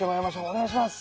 お願いします！